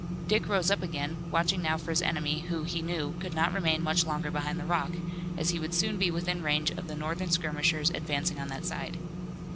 Dick rose up again, watching now for his enemy who, he knew, could not remain much longer behind the rock, as he would soon be within range of the Northern skirmishers advancing on that side.